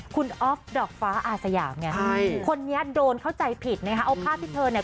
คุณออฟดอกฟ้าอาสยามไงคนนี้โดนเข้าใจผิดนะคะเอาภาพที่เธอเนี่ย